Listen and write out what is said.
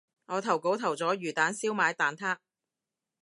我投稿投咗魚蛋燒賣蛋撻